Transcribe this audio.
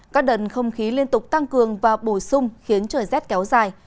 các đợt không khí liên tục tăng cường và bổ sung khiến trời rét kéo dài